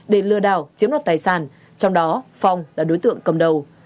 để lừa đảo chiếm đoạt tài sản trong đó phong là đối tượng cầm đầu